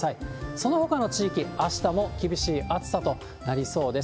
そのほかの地域、あしたも厳しい暑さとなりそうです。